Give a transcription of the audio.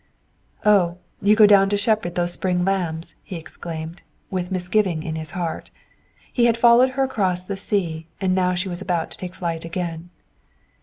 "Oh, you go down to shepherd those spring lambs!" he exclaimed, with misgiving in his heart. He had followed her across the sea and now she was about to take flight again!